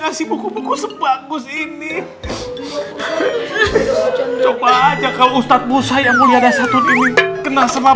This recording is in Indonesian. kasih buku buku sebagus ini coba aja kalau ustadz busa yang mulia dasar kini kena senang